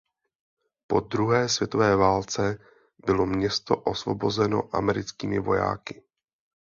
Po druhé světové válce bylo město osvobozeno americkými vojáky.